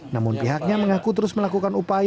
namun pihaknya mengaku terus melakukan upaya